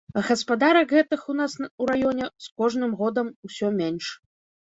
А гаспадарак гэтых у нас у раёне з кожным годам усё менш.